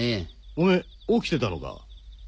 お前起きてたのか？